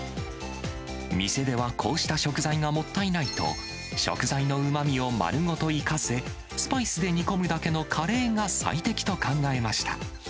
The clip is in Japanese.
店ではこうした食材がもったいないと、食材のうまみを丸ごと生かす、スパイスで煮込むだけのカレーが最適と考えました。